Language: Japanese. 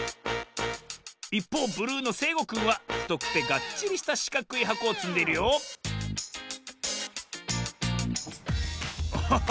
いっぽうブルーのせいごくんはふとくてがっちりしたしかくいはこをつんでいるよおっ！